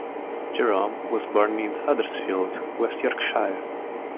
Jerome was born in Huddersfield, West Yorkshire.